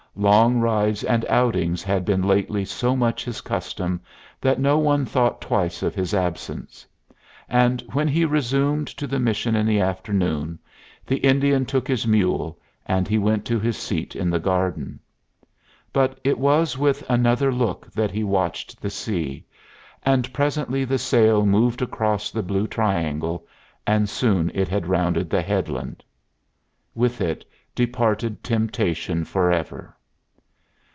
Long rides and outings had been lately so much his custom that no one thought twice of his absence; and when he resumed to the mission in the afternoon, the Indian took his mule, and he went to his seat in the garden. But it was with another look that he watched the sea; and presently the sail moved across the blue triangle, and soon it had rounded the headland. With it departed Temptation for ever.